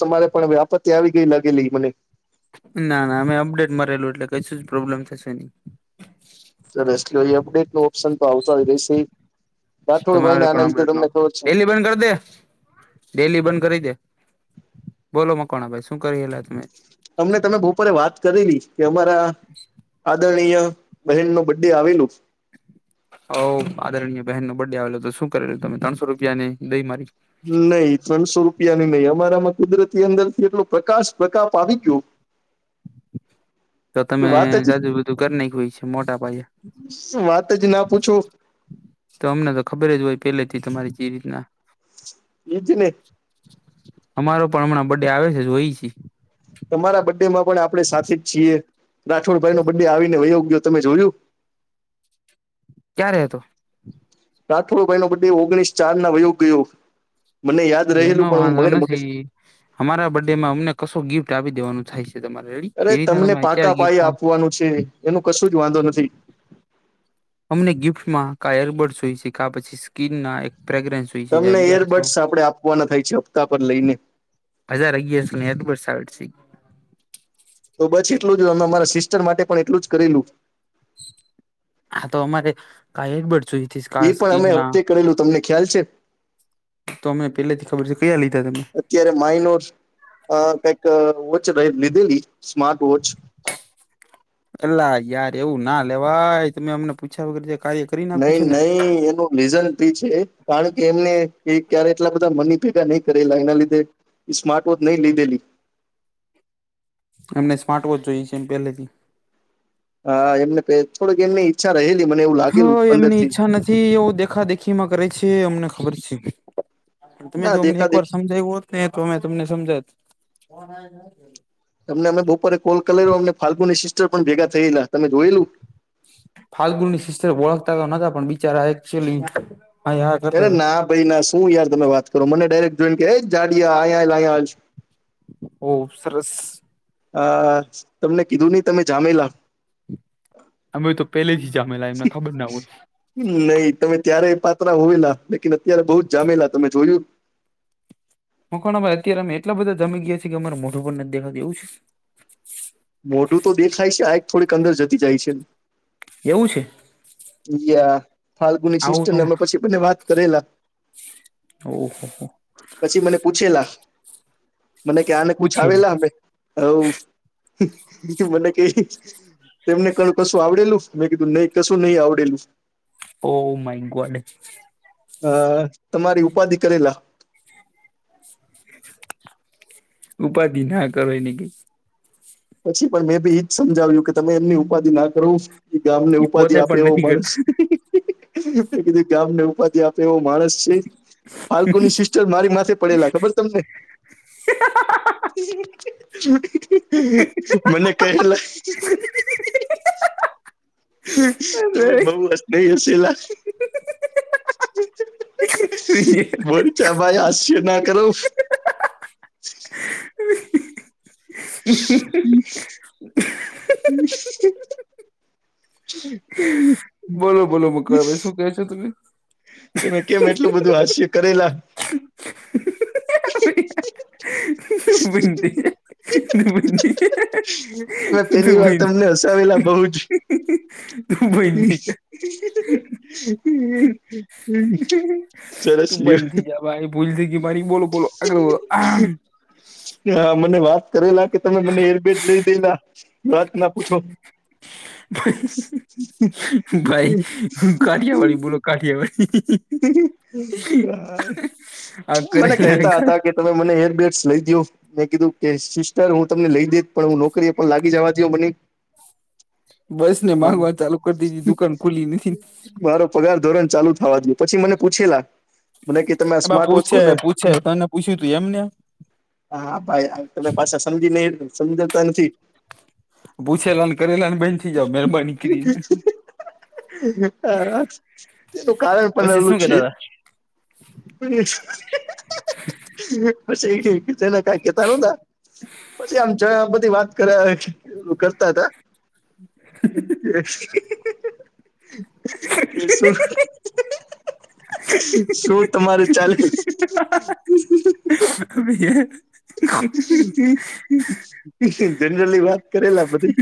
તમારે પણ હવે આપત્તિ આવી ગઈ લાગેલી મને. ના, ના. અમે અપડેટ મળેલુ, એટલે કઈશું જ પ્રોબ્લેમ થશે ની. અપડેટ ન ઓપ્શન તો આવતો હોય છે. તમારે પણ અત ન છે ડેલી બંધ કરી દે ડેલી બંધ કરી દે બોલો મકોણા ભાઈ શું કરીલા તમે અમને તમે બપોરે વાત કરેલી કે અમારા હા દણી બહેન નું બે આવેલું. હ આદરણીય બહેનનો બર્થડે આવેલો. શું કરેલું? તમે ત્રણસો રૂપિયા ને દઈ મારી. નઈ ત્રણસો રૂપિયા ની નહીં. અમારામાં કુદરતી અંદર થી એટલું પ્રકાશ પ્રકાપ આવી ગયું. [unintelligible] તો તમે જાજુબજું ઘર ના કોઈ છે, મોટા ભાઈ? વાત જ ના પૂછું. તો અમને તો ખબર જ હોય પહેલેથી તમારી જે રીતના એજને અમારો પણ હમણાં બર્ડે આવે છે જોય છી તમારા બડે માં પણ આપડે સાથે જ છીએ રાઠોડ ભાઈ નો બડે આવીને વયો ગયો તમે જોયું ક્યાં રેતો રાથોડ ભાઈ નો બડે ઓગણીસ ચાર ના વયોગયો મને યાદ એનો રહેલું પણ વાંધો હું [unintelligible] [inaudible] અમારા બર્ડે માં અમને કશો ગિફ્ટ આપી દેવાનું થાય છે. એ તમારે રેડી અરે જે રીતના તમને તમે અત્યારે પાકા ગિફ્ટ પાયે આપવાનું છે એનું કશું જ વાંધો નથી અમને ગિફ્ટમાં કા એરબડસ જોઈ છે કે આ પછી સ્કીનના એક ફ્રેગરેન્સ હોય છે જે તમને અગિયારસો એરબર્ડ્સ આપડે આપવાના થાય છે હપ્તા પર લઈને હજાર અગિયારસો ની એડબર્ડ્સ આવે છે તો બસ એટલું જ અમારા સિસ્ટર માટે પણ એટલું જ કરેલું હા તો અમારે કા એડબર્ડ જોઈએ એ પણ અમે હપ્તે કરેલું તમને ખ્યાલ છે. તો અમે પેલાથી ખબર છે કયા લીધા તમે અત્યારે માઇનોર કઈક વોચ લીધેલી સ્માર્ટ વોચ એલા યાર એવું ના લેવાય તમે અમને પૂછ્યા વગર જે. કાર્ય કરી નાખો નહી છો ને નહી એનું રીઝલ ભી છે કારણ કે એમને એ ક્યારે એટલા બધા મની ભેગા નહી કરેલા એના લીધે સ્માર્ટ વોચ નહીં લીધેલી એમને સ્માર્ટ વોચ જોઈએ છે એમ પહેલેથી હા એમને થોડક એમને ચ્છા રહે લી મને એવું હ લાગેલું એમની અંદરથી ઈચ્છા નથી એવું દેખા દે ખીમાં કરે છે એ અમને ખબર છે તમે ના જો અમને દેખા એક વાર દેખી સમજાયું હોત ને તો અમે તમને સમજાવત. તમને અમે બપોરે કોલ કરેલો ફાલ્ગુની સિસ્ટર પણ ભેગા થયેલા તમે જોયેલું. ફાલ્ગુની ની શિસ્તર ઓળખતા નતા પણ બિચારા એક્ચ્યુલી અરે ના ભાઈ ના શું યાર તમે વાત કરો મને ડાયરેક્ટ જોઈને કે જાડયા અયા હાલ અયા હાલ. ઓહ સરસ. અ તમને કીધું નહી તમે જામેલા અમે તો પહેલેથી જામેલા એમને ખબર ના હોય. નહી તમે ત્યારે પાત્રા હોયલા લેકીન અત્યારે બહુ જ જામેલા તમે જોયું? મકવાણા ભાઈ અત્યારે અમે એટલા બધા જમી ગયા છી કે અમારે મોઢું પર નથી દેખાતુ એવું છે. મોઢું તો દેખાય છે આઈખ થોડીક અંદર થતી જાય છે. એવું છે? યા ફાલ્ગુની સિસ્ટરને અમે પછી બને વાત કરેલા ઓહો હો પછી મને પૂછેલા મને કે ન પૂછ પૂછે આવેલા નહી મે હ મને ક તેમને ક કશું આવડેલું. મેં કીધું નહી કશું નહી આવડેલું. Oh my God. અ તમારી ઉપાધિ કરેલા ઉપાધિ ના કરો એને કઈ. પછી પણ મેં બી એજ સમજાવ્યું કે તમે એમની ઉપાધિ ના કરો. ગામ ને ઈ ઉપાધિ પોતે આપે પણ એવો નથી કરતા માણસી ગામને ઉપાધિ આપે. તેવો માણસ છે પાલકોની સિસ્ટર મારી માથે પડેલા ખબર તમને? મને કહેલા તમે અરે બઉ અસ્ય હશેલા. બરચ ભાઈ આસ્ય ના કરો. હમ્મ. હમ્મ. હમ્મ. બોલો બોલો મુકો ભાઈ શું કેહે છો તમે? તમે કેમ એટલું બધું હાસ્ય કરેલા? [unintelligible] બને મે પેલી વાર તમને હસાવેલા બઉુ જ. તું બેઈની કર સરસ તું લ્યો. બનતી જા ભાઈ ભૂલ થઈ ગઈ મારી બોલો બોલો આગલો બલો? હ મને વાત કરે નાખી. તમે મને હેરબેટ લઈ દેલા વાત ના પૂછો. [inaudible] કાઠિયાવાડી બોલો કાઢીએ ભાઈ. આ મને કેહતા કરેલા હતા કે તમે મને એર બેગ્સ લઈ દયો. મેં કીધું કે સિસ્ટર હું તમને લઈ દેશ પણ હું નોકરી એ પણ લાગી જવા દઉ મને બસ ને માંગવા ચાલુ કરી દીધી દુકાન ખુલી નથી [inaudible] મારો પગાર ધોરણ ચાલુ થવા દો પછી મને પૂછેલા મને તમે આ એમાં સ્માર્ટ વોચ પૂછે કોને પૂછે તને પૂછ્યું તું એમને હા હા ભાઈ તમે પાછા સમજી ન સમજાતા નથી. પૂછેલા ને કરેલા ને બેહેન થી જુઓ મહેરબાની કરીને હ તેનું કારણ પણ પછી રહેલું શું છે. કેતા [unintelligible] જેને કઈ કેતા નતા પછી આમ જ બધી વાત કરયા કરતા હતા. [unintelligible] કે શું? શું તમારું ચાલે. [unintelligible] જનરલી વાત કરેલા બધી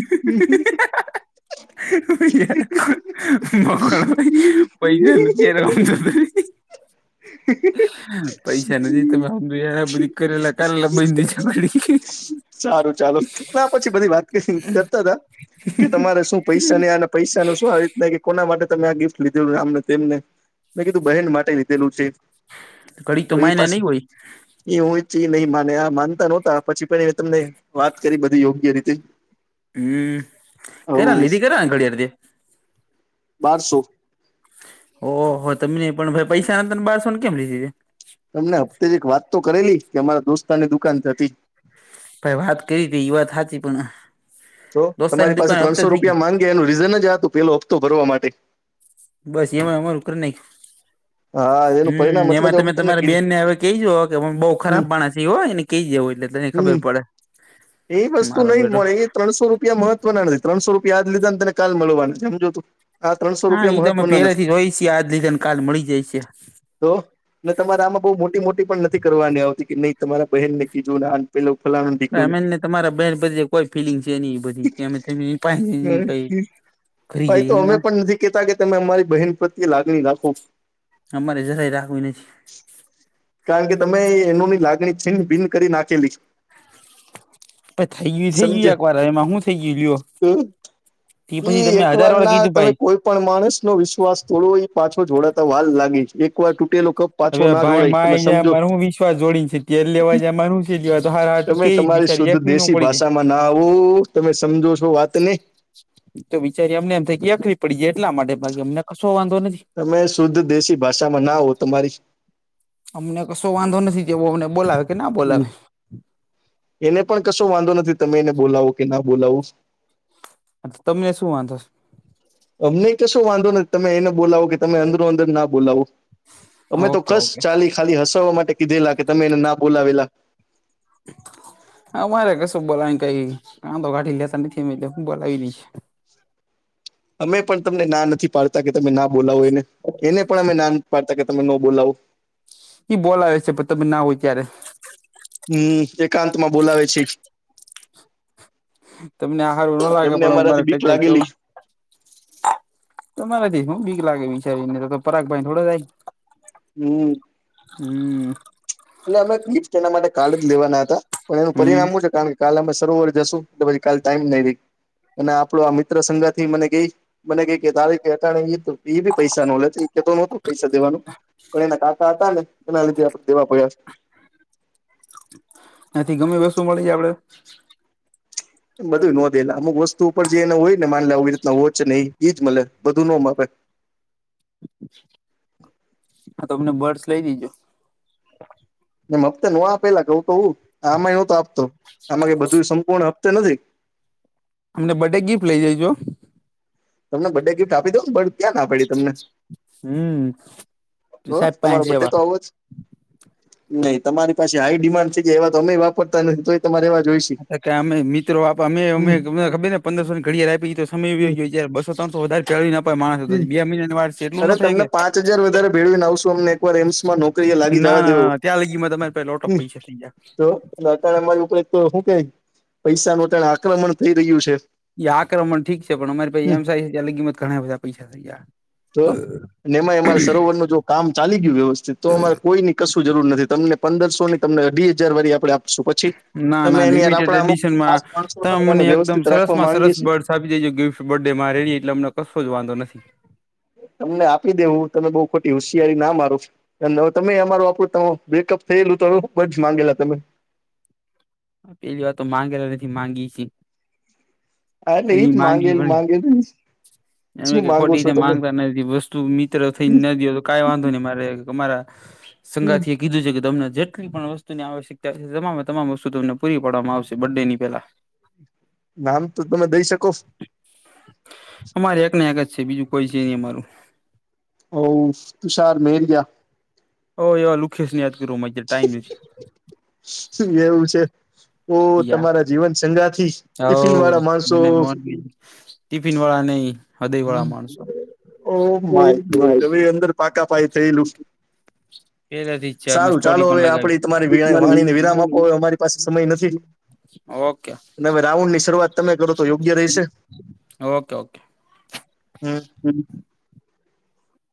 [inaudible] મુકો પૈસા નથી એ રમ પૈસા નથી તમે મને બધી કરેલા કરાલા બંધી છેડી સારું ચાલો ના પછી બધી વાત કરતા હતા. કે તમારે શું પૈસા અને પૈસા નું શું આયુ ના કે કોના માટે તમે આ ગિફ્ટ લીધેલુ આમ ને તેમને મેં કીધું બહેન માટે લીધેલું છે. ઘડીક તો એ માયના પાસે નહી હોય. એ હું નહી માને આ માનતા નહોતા પછી પણ મે તમને વાત કરી બધી યોગ્ય રીતે હમ્મ કેટલા હવ લીધી કેટલાની ઘડિયાળ હતી. બારસો ઓહ તમે પણ નહી પણ ભાઈ પૈસા ના તને બારસો ને કેમ લીધી તમને હપતે જ એક વાત તો કરેલી કે અમારા દોસ્તાની દુકાન હતી. ભાઈ વાત કરી તી યુવા હાચી પણ તો દોસ્તાની તમારી પાસે દુકાને હપ્તે ત્રણસો થઈ ગઈ રૂપિયા માંગે એનું રીઝન જ આ હતું પેલો હપ્તો ભરવા માટે બસ એમાં અમારું કર ને. હા. એનું હમ્મ પરિણામ એટલે એમાં જ હું તમે તમને તમારા કીધું બેનને હવે કહી જ કે બઉ હમ ખરાબ માણસ છ એ હોય એને કહી જવું એટલે તને ખબર હમ પડે. [unintelligible] એ વસ્તુ મારો નહ બેટો મળે એ ત્રણસો રૂપિયા મહત્વના નથી ત્રણસો રૂપિયા આજ લીધા ને તેને કાલ મળવા નથી સમજતું. હા એ તો અમે પેલાથી રઈ છીએ આજ લીધા ને કાલ મળી જાય છે. તો ને તમારે આમાં બહ મોટી મોટી પણ નથી કરવાની આવતી કે નહી તમારા બહેન ને કીધું ને પેલો ફલાણા ઢીકનું અમેને તમારા બેહેન પધી કોઈ ફિલિંગ છે ન એ બધી કે અમે ને ક ભાઈ તો અમે પણ નથી કેતા કે તમે અમારી બહેન પ્રત્યે લાગણી રાખો. અમારે જરા રાખવી નથી. કારણ કે તમે એનોની લાગણી છીન ભિન કરી નાખેલી છે. થઈ ગય થઈ સમજે ગયું એક વાર એમાં શું થઈ ગયું લ્યો. તે પછી તમે એક વાર હજાર ના કીધું તમે ભાઈ કોઈ પણ માણસ નો વિશ્વાસ થોડો પાછો જોડાતા વાર લાગે એક વાર તૂટેલો કપ પાછો ના જોડાય. હા તમે જ સમજો માર હું વિશ્વાસ જોડીને છે તેલ લેવા જ મર હ છે દવા તો હાર હું તમે કે તમારી બિચારી શુદ્ધ દખવી ન દેશી પડી જાય. ના ભાષામાં આવું તમે સમજો છો વાત ને. તો વિચારી અમને એમ થાય કે એખલી પડી જાય એટલા માટે બાકી અમને કશો વાંધો નથી. તમે શુદ્ધ દેશી ભાષામાં ના હો તમારી અમને કશો વાંધો નથી કેવો અમને બોલાવે કે ના બોલાવે. એને પણ કશો વાંધો નથી તમે એને બોલાવો કે ના બોલાવો. તમને શું વાંધો છે? અમને તો કશું વાંધો નથી તમે એને બોલાવો કે તમે અંદરો અંદર ના બોલાવો. છે અમે તો ઓકે કશ ઓકે ચાલી ખાલી હસાવવા માટે કીધેલા કે તમે એને ના બોલાવેલા. હા મારે કશું બોલાવીને કઈ કાંધો [unintelligible] કાઢી લેતા નથી અ બોલાવી દઈશ. અમે પણ તમને ના નથી પાડતા કે તમે ના બોલાવો એને એને પણ અમે ના નથી પાડતા કે તમે નો બોલાવો. એ બોલાવે છે તમે ના હોય ત્યારે. હમ્મ એકાંત માં બોલાવે છે. તમને હારુ નો લાગે એમને પણ હું મારે અમારાથી કઈ બીક ત્યા જઉ [inaudible] તમારાથી શું બીક લાગે વિચારીને તો પરાગ ભાઈ થોડો જાય. હમ્મ. [unintelligible] એટલે અમે ગિફ્ટ એના માટે કાલ જ લેવાના હતા પણ એનું હમ પરિણામ શું છે કારણ કે કાલ અમે સરોવર જશું તો પછી કાલ ટાઈમ નહી રહી અને આપડો આ મિત્ર સઘા થી મને ગઈ મને ક કે તારીખ હટાણે [unintelligible] જ હતું. એ બી પૈસા નો લે એ કેતો નોતો પૈસા દેવાનું પણ એના કાકાતા હતા ને એના લીધે આપડે દેવા પડ્યા. એથી ગમે વસ્તુ મળી જાય આપડે. એ બધું નો દે અમુક વસ્તુ ઉપર જે એને હોય ને માલ લે આવી રીતના વોચ નહી એઈજ મળે બધું નો મળે. હા તોમને બર્ડસ લઈ દીજો. એમ હપ્તા નો આપે પેલા કહું તો આમાં નતો આપતો આમાં બધું સંપૂર્ણ હપ્તે નથી. અમને બર્ડે ગિફ્ટ લઈ જઈજો. તમને બર્ડે ગિફ્ટ આપી દઉંને પણ ક્યાં ના પાડી તમને. હમ હ સાહેબ પાંચ તમારો બર્થ ડે જેવા તો આવો જ. નહી તમારી પાસે હાઈ ડિમાન્ડ છે તો એવા તો અમે વાપરતા નથી તો. તમારે એવા જોઈ અમે મિત્રો આપ અમે અમે ખબર ને પંદરસો ની ઘડિયાળ આપી તો સમય વ્યો હમ ગયો બસ ત્રણસો વધારે ફેળવી ને અપાય માણસો બે મહિનાની વાર છે એટલું અરે ના થાય તમને કે પાંચ હજાર વધારે ભેળવીને આવશું અમને એકવાર એમ્સમાં નોકરીએ શું. લાગી ના જવા દેવો ના ત્યાં લગીમાં તમારે પહેલો ટોપિક [unintelligible] જાવ અત્યારે અમારી ઉપર તો હું કે પૈસા નુ એક આક્રમણ થઈ રહ્યું છે યા આક્રમણ ઠીક છે પણ અમારી પાછી એમ સાઈઝ ત્યાર લગી ઘણા બધા પૈસા નાખ્યા તો અને એમાં અમારે સરોવર નું જો કામ ચાલી ગયું વ્યવસ્થિત તો અમારે કોઈ ને કશું જરૂર નથી તમને પંદરસો ની તમને અઢી હજાર વાળી આપણે આપ શુ પછી ના તમે ના એની લિમિટેડ આપણા અમુક જે ખાસ એડિશનમાં તમે માણસોમે મને એકદમ વ્યવસ્થિત રાખવા સરસમાં માંગીએ સરસ છીએ બર્ડસ આપી દેજો ગિફ્ટ બડે મારે નહી એટલે અમને કશો જ વાંધો નથી તમને આપી દેવું તમે બહુ ખોટી હોશિયારી ના મારો હવે તમે અમારું આપડું ત બ્રેકઅપ થયેલું તો બજ માંગેલા તમે પેલી વાત તો માંગેલા નથી માંગી છીએ હા એટલે એજ પણ માગેલું માંગેલું શું માંગો છો તમે અને વસ્તુ મિત્ર થઈ ના દયો તો કઈ વાંધો નહી મારે મારા સંગાથી કીધું છે કે તમને જેટલી પણ વસ્તુની આવશ્યકતા છે તમામે તમામ વસ્તુ તમને પૂરી પાડવામાં આવશે બડે ની પેલા નામ તો તમે દઈ શકો અમારે એક ને એક જ છે બીજું કોઈ છે નહી અમારું ઓ તુષાર મેલ ગયા ઓ એવા લુખેશ ને યાદ કરું મજા એવું છે તો નથી તમારા જીવન સંગ્રહથી યા ટિફિન વાળા હવ માણસો મને ટિફિન વાળા નહી હૃદય વાળા માણસો હ ઓ માય ગોડ અંદર પાકા પાઈ થયેલું હ પેલેથી જ છે અમે સારું સ્ટોરી ચાલો પણ હવે આપડી તમારી વી વાણીને વિરામ લગાવી આપો અમારી પાસે સમય નથી ઓકે હવે રાઉન્ડ ની શરૂઆત તમે કરો તો યોગ્ય રહીશે ઓકે ઓકે હમ